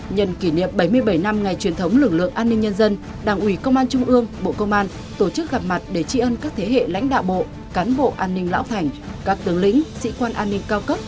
nhân kỷ niệm bảy mươi bảy năm ngày truyền thống lực lượng an ninh nhân dân đảng ủy công an trung ương bộ công an tổ chức gặp mặt để tri ân các thế hệ lãnh đạo bộ cán bộ an ninh lão thành các tướng lĩnh sĩ quan an ninh cao cấp